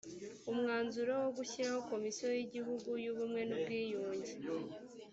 umwanzuro wo gushyiraho komisiyo y igihugu y ubumwe n ubwiyunge